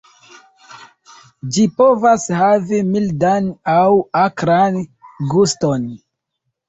Ĝi povas havi mildan aŭ akran guston.